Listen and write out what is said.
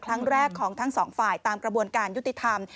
ครั้งแรกของทั้งสองฝ่ายตามกระบวนการยุติธรรม